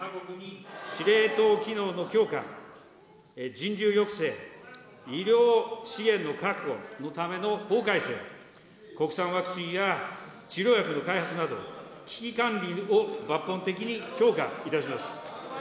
司令塔機能の強化、人流抑制、医療資源の確保のための法改正、国産ワクチンや治療薬の開発など、危機管理を抜本的に強化いたします。